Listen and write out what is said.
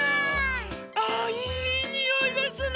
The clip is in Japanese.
あいいにおいですね！